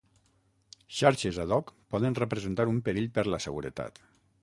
Xarxes ad hoc poden representar un perill per la seguretat.